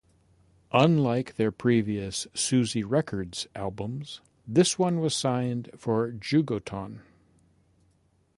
Unlike their previous Suzy Records albums, this one was signed for Jugoton.